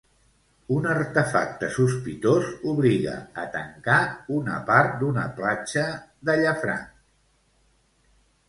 Un artefacte sospitós obliga a tancar una part d'una platja de Llafranc.